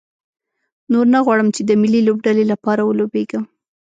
نور نه غواړم چې د ملي لوبډلې لپاره ولوبېږم.